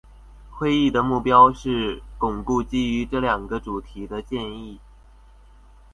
会议的目标是巩固基于这两个主题的建议。